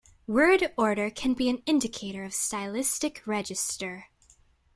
Word order can be an indicator of stylistic register.